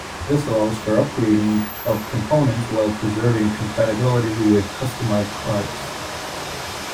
This allows for the upgrading of components while preserving compatibility with customized parts.